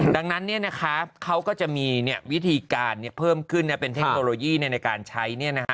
ดังนั้นเขาก็จะมีวิธีการเพิ่มขึ้นเป็นเทคโนโลยีในการใช้